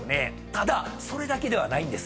ただそれだけではないんです。